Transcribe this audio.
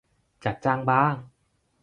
จัดจ้างบ้าง